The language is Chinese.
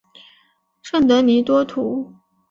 圣德尼多图。